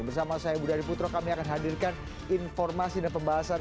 bersama saya budi adiputro kami akan hadirkan informasi dan pembahasan